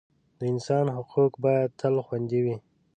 د انسان حقوق باید تل خوندي وي.